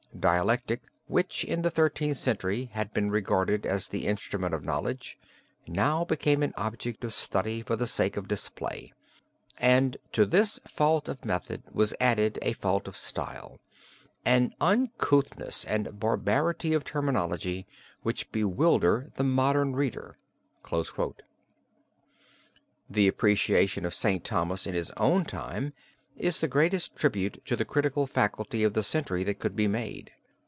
Dialectic, which in the Thirteenth Century had been regarded as the instrument of knowledge, now became an object of study for the sake of display; and to this fault of method was added a fault of style an uncouthness and barbarity of terminology which bewilder the modern reader." The appreciation of St. Thomas in his own time is the greatest tribute to the critical faculty of the century that could be made.